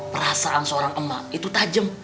perasaan seorang emak itu tajam